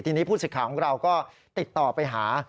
ทีนี้ผู้สิทธิ์ของเราก็ติดต่อไปหา